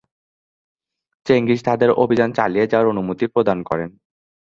Genghis তাঁদের অভিযান চালিয়ে যাওয়ার অনুমতি প্রদান করেন।